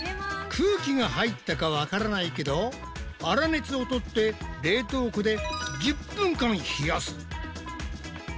空気が入ったかわからないけどあら熱を取って冷凍庫で１０分間冷やす。